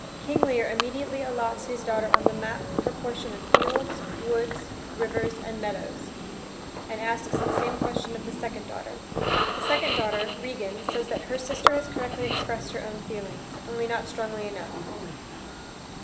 King Lear immediately allots his daughter on the map, her portion of fields, woods, rivers, and meadows, and asks the same question of the second daughter. The second daughter, Regan, says that her sister has correctly expressed her own feelings, only not strongly enough.